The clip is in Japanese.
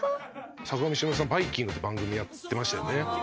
坂上忍さん『バイキング』って番組やってましたよね。